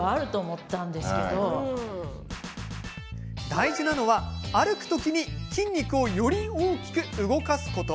大事なのは、歩く時に筋肉をより大きく動かすこと。